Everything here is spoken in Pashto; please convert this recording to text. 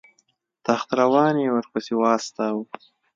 تخت روان یې ورپسې واستاوه.